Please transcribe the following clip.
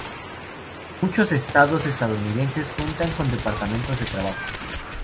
Muchos estados estadounidenses cuentan con departamentos de trabajo.